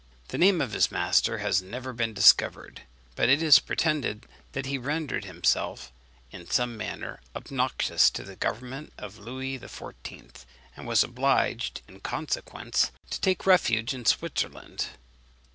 The name of his master has never been discovered; but it is pretended that he rendered himself in some manner obnoxious to the government of Louis XIV., and was obliged, in consequence, to take refuge in Switzerland.